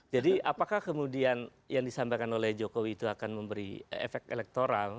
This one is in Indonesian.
jadi apakah kemudian yang disampaikan oleh jokowi itu akan memberi efek elektoral